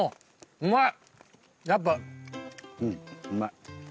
うまい。